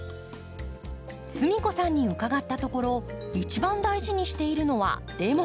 すみこさんに伺ったところ一番大事にしているのはレモン。